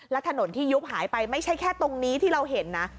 และถนนที่ยุบหายไปไม่ใช่แค่ตรงนี้ที่เราเห็นนะ